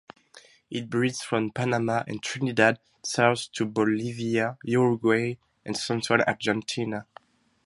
It breeds from Panama and Trinidad south to Bolivia, Uruguay and central Argentina.